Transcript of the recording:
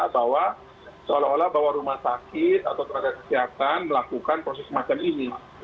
bahwa seolah olah bahwa rumah sakit atau tenaga kesehatan melakukan proses semacam ini